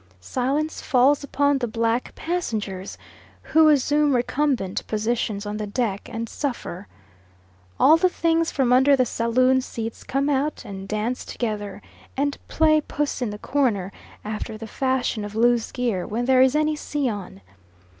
Silence falls upon the black passengers, who assume recumbent positions on the deck, and suffer. All the things from under the saloon seats come out and dance together, and play puss in the corner, after the fashion of loose gear when there is any sea on.